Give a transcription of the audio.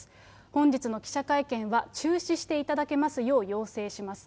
本日の記者会見は中止していただけますよう要請します。